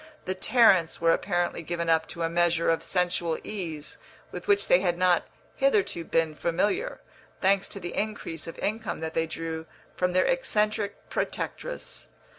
The Tarrants were apparently given up to a measure of sensual ease with which they had not hitherto been familiar, thanks to the increase of income that they drew from their eccentric protectress.